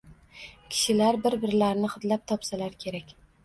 Kishilar bir-birlarini hidlab topsalar kerak.